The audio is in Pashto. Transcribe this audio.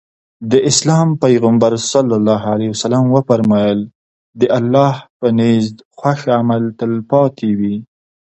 د اسلام پيغمبر ص وفرمايل د الله په نزد خوښ عمل تلپاتې وي.